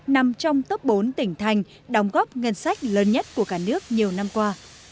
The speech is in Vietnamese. nằm trong tấp bốn tỉnh thành đóng góp ngân sách lớn nhất của cả nước nhiều năm qua